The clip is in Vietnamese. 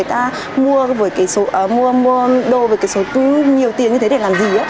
mình cũng không hiểu là người ta mua đôi với cái số tư nhiều tiền như thế để làm gì